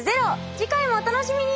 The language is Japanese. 次回もお楽しみに！